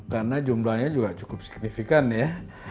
karena jumlahnya juga cukup signifikan ya